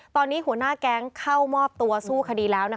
ตอนนี้หัวหน้าแก๊งเข้ามอบตัวสู้คดีแล้ว